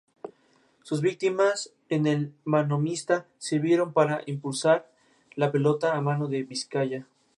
Sus victorias en el manomanista sirvieron para impulsar la pelota a mano en Vizcaya.